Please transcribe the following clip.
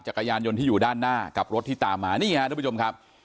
จักรยานยนต์ที่อยู่ด้านหน้ากับรถที่ตามมานี่ฮะทุกผู้ชมครับ